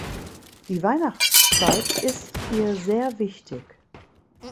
Die Weihnachtszeit ist ihr sehr wichtig.